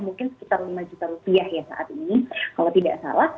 mungkin sekitar lima juta rupiah ya saat ini kalau tidak salah